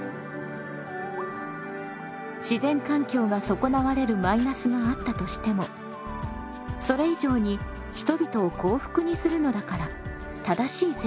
自然環境が損なわれるマイナスがあったとしてもそれ以上に人々を幸福にするのだから正しい選択と言えます。